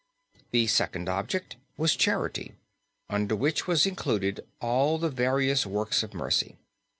The second object was charity, under which was included all the various Works of Mercy.